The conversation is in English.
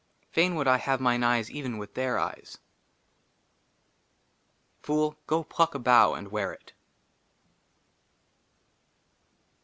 FAIN WOULD I HAVE MINE EYES EVEN WITH THEIR EYES. FOOL, GO PLUCK A BOUGH AND WEAR IT.